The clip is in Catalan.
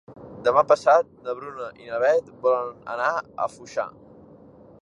Demà passat na Bruna i na Beth volen anar a Foixà.